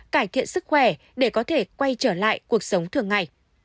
cải thiện sức khỏe để có thể quay trở lại cuộc sống thường ngày